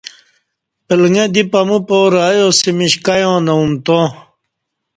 پلکہ دی پمو پارہ ایاسمیش کیانہ امتاں